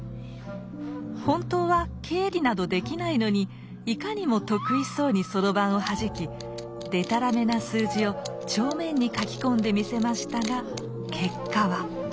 本当は経理などできないのにいかにも得意そうにそろばんをはじきでたらめな数字を帳面に書き込んでみせましたが結果は。